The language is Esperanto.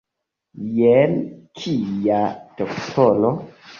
Jen kia doktoro!